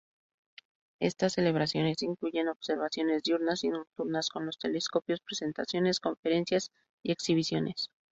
Estas celebraciones incluyen observaciones diurnas y nocturnas con los telescopios, presentaciones, conferencias, y exhibiciones.